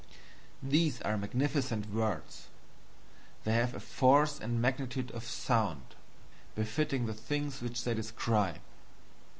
These are magnificent words; the have a force and magnitude of sound befitting the things which they describe.